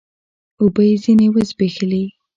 اوبه يې ځيني و زبېښلې